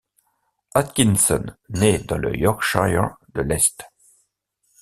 Atkinson naît dans le Yorkshire de l'Est.